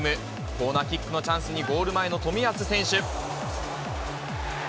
コーナーキックのチャンスに、ゴール前の冨安選手。